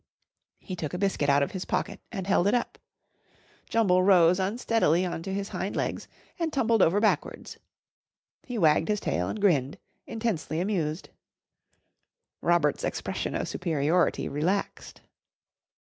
He took a biscuit out of his pocket and held it up. Jumble rose unsteadily on to his hind legs and tumbled over backwards. He wagged his tail and grinned, intensely amused. Robert's expression of superiority relaxed.